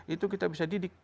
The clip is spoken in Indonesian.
itu kita bisa didik